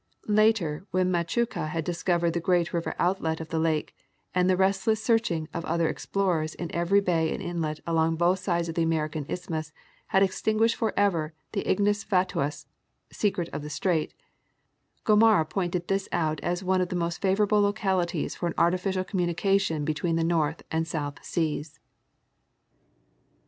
Later, when Machuca had discov ered the grand river outlet of the lake, and the restless searching of other explorers in every bay and inlet along both sides of the American isthmus had extinguished forever the ignis fatuus "Secret of the Strait," Gomara pointed this out as one of the most favorable localities for an artificial communication between the North and South Seas.